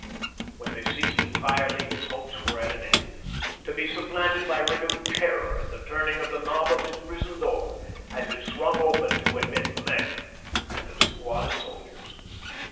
When they ceased entirely his hopes were at an end, to be supplanted by renewed terror at the turning of the knob of his prison door as it swung open to admit Maenck and a squad of soldiers.